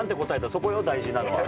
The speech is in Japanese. そこよ、大事なのは。